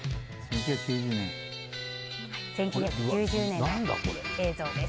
１９９０年の映像です。